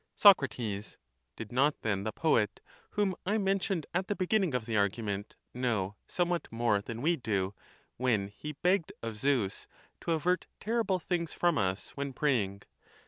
Soc. Did not then the poet, whom I mentioned at the be ginning of the argument, know somewhat more than we do, when he begged" (of Zeus) to avert terrible things from (us) when praying